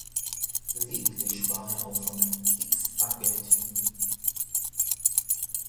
Gelegentlich sprach er auch von „X-Agentien“.